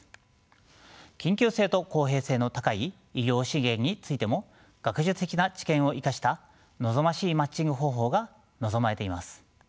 緊急性と公平性の高い医療資源についても学術的な知見を生かした望ましいマッチング方法が望まれています。